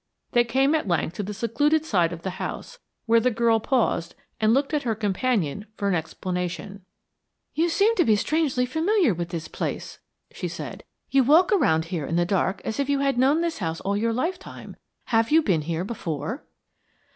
They came at length to the secluded side of the house, where the girl paused and looked at her companion for an explanation. "You seem to be strangely familiar with this place," she said. "You walk about here in the dark as if you had known this house all your lifetime, Have you been here before?"